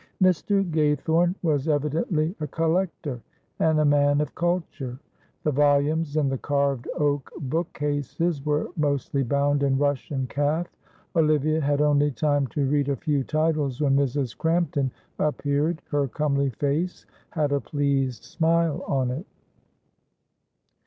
Mr. Gaythorne was evidently a collector and a man of culture; the volumes in the carved oak book cases were mostly bound in Russian calf. Olivia had only time to read a few titles when Mrs. Crampton appeared; her comely face had a pleased smile on it.